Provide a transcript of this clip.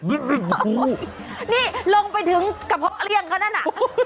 ป้วนแทบไม่ทันนี่ลงไปถึงกระเพาะเลี่ยงเขานั่นอ่ะ